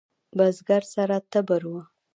بزگر سره تبر و.